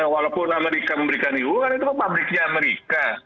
walaupun amerika memberikan eua itu pabriknya amerika